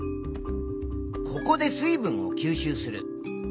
ここで水分を吸収する。